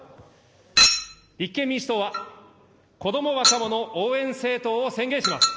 立憲民主党は、子ども若者応援政党を宣言します。